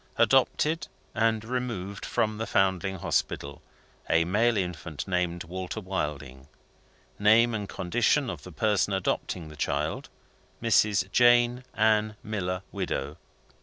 Adopted, and removed from the Foundling Hospital, a male infant, named Walter Wilding. Name and condition of the person adopting the child Mrs. Jane Ann Miller, widow.